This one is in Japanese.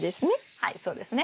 はいそうですね。